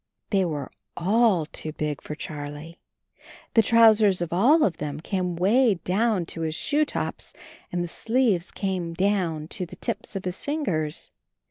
They were all too big for Charlie, The trousers of all of them came way down to his shoe tops, and the sleeves came down to the tips of his fingers.